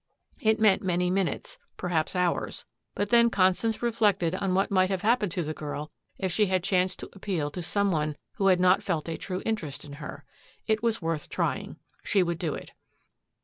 It meant many minutes, perhaps hours. But then Constance reflected on what might have happened to the girl if she had chanced to appeal to some one who had not felt a true interest in her. It was worth trying. She would do it.